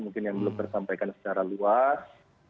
mungkin yang belum tersampaikan secara luas